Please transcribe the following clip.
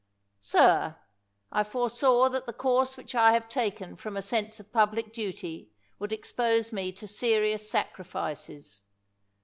Sir, I foresaw that the course which I have ta'::en from a sense of public duty would ex pose me to serious sacrifices.